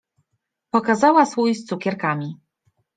Pokazała słój z cukierkami.